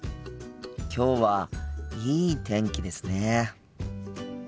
きょうはいい天気ですね。